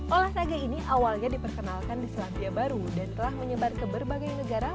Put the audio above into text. olahraga ini awalnya diperkenalkan di selandia baru dan telah menyebar ke berbagai negara